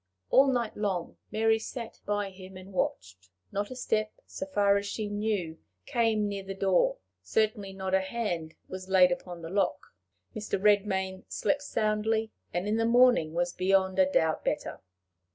All night long Mary sat by him and watched. Not a step, so far as she knew, came near the door; certainly not a hand was laid upon the lock. Mr. Redmain slept soundly, and in the morning was beyond a doubt better.